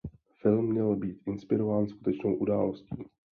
Film měl být inspirován skutečnou událostí.